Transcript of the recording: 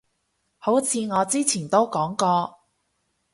好似我之前都講過